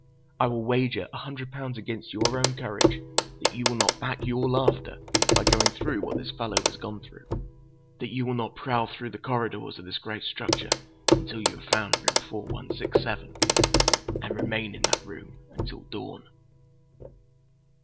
I will wager a hundred pounds against your own courage that you will not back your laughter by going through what this fellow has gone through. That you will not prowl through the corridors of this great structure until you have found room 4167—and remain in that room until dawn!"